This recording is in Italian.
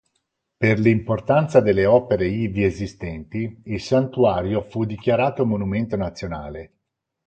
Per l'importanza delle opere ivi esistenti, il santuario fu dichiarato monumento nazionale.